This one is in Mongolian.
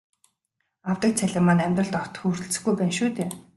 Авдаг цалин маань амьдралд огт хүрэлцэхгүй байна шүү дээ.